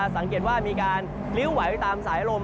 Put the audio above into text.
สังเกตว่ามีการลิ้วไหวไปตามสายลม